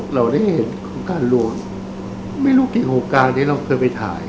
เราได้เห็นของการรวมไม่รู้กี่โครงการที่เราเคยไปถ่าย